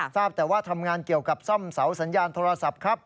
ทราบแต่ว่าทำงานเกี่ยวกับซ่อมเสาสัญญาณโทรศัพท์ครับ